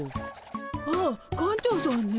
ああ館長さんね。